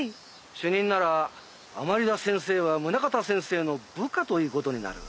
主任なら甘利田先生は宗方先生の部下という事になる。